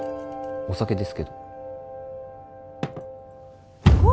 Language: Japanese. お酒ですけど功？